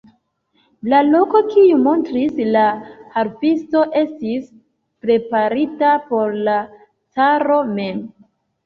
La loko, kiun montris la harpisto, estis preparita por la caro mem.